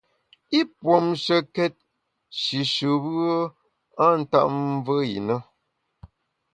I puomshekét shishùbùe a ntap mvùe i na.